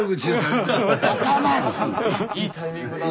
いいタイミングだな。